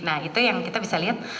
nah itu yang kita bisa lihat